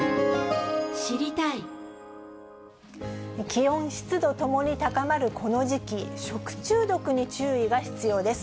気温、湿度ともに高まるこの時期、食中毒に注意が必要です。